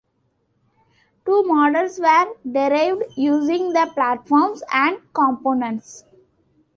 Two models were derived using the platforms and components.